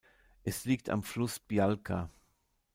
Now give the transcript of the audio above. Es liegt am Fluss Białka.